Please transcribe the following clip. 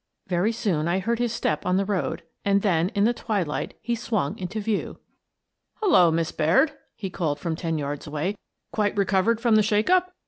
Very soon I heard his step on the road, and then, in the twilight, he swung into view. " Hello, Miss Baird !" he called from ten yards away. " Quite recovered from the shake up